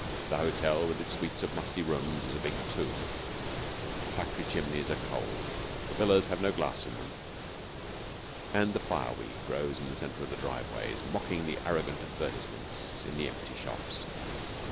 The hotel, with its suites of musty rooms, is a big tomb; the factory chimneys are cold; the villas have no glass in them, and the fire weed glows in the centre of the driveways, mocking the arrogant advertisements in the empty shops.